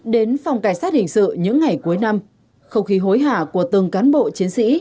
đến phòng cảnh sát hình sự những ngày cuối năm không khí hối hả của từng cán bộ chiến sĩ